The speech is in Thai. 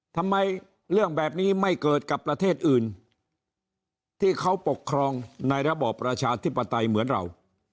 ทำไมเรื่องแบบนี้ไม่เกิดกับประเทศอื่นที่เขาปกครองในระบอบประชาธิปไตยเหมือนเรา